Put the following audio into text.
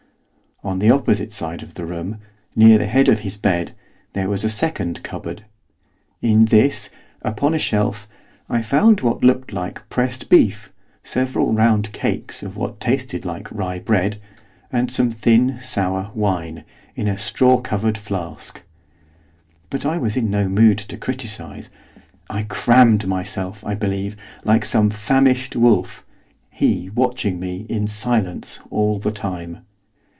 On the opposite side of the room, near the head of his bed, there was a second cupboard. In this, upon a shelf, I found what looked like pressed beef, several round cakes of what tasted like rye bread, and some thin, sour wine, in a straw covered flask. But I was in no mood to criticise; I crammed myself, I believe, like some famished wolf, he watching me, in silence, all the time.